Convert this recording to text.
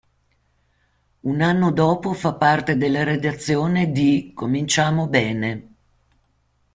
Un anno dopo fa parte della redazione di "Cominciamo bene".